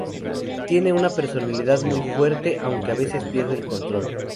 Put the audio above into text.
Tiene una personalidad muy fuerte, aunque a veces pierde el control.